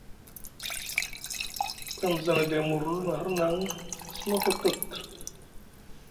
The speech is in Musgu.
Mamza na gayni murlu na hirnaŋ a suma hotot.